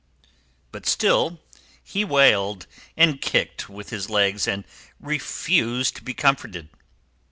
But still he wailed, and kicked with his legs, and refused to be comforted.